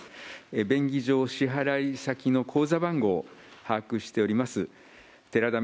便宜上、支払い先の口座番号を把握しております、寺田稔